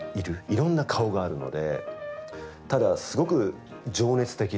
いろんな顔があるので。